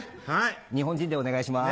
日本人でお願いします。